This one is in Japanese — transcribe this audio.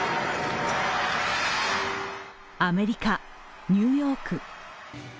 アメリカ・ニューヨーク。